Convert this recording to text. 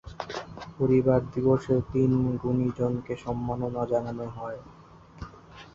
পরিবার দিবসে তিন গুণীজনকে সম্মাননা জানানো হয়।